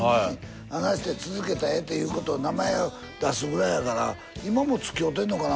あないして続けたらええっていうことを名前を出すくらいやから今もつきおうてんのかな